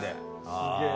すげえな。